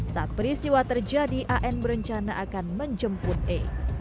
saat peristiwa terjadi an berencana akan menjemput e